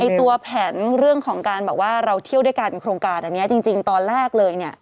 ยังตัวแผนเรื่องของการบอกว่าเราเที่ยวด้วยกันในโครงการจริงตอนแรกเลยนี่